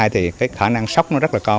thì cái khả năng sốc nó rất là cao